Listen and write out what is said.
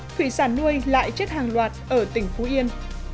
thủy sản nuôi lại chết hàng loạt ở tỉnh phú yên